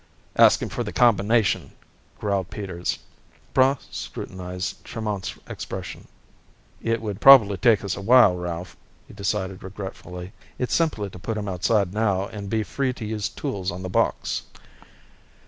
"Ask him for the combination," growled Peters. Braigh scrutinized Tremont's expression. "It would probably take us a while, Ralph," he decided regretfully. "It's simpler to put him outside now and be free to use tools on the box."